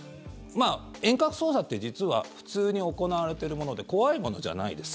遠隔操作って実は普通に行われているもので怖いものじゃないです。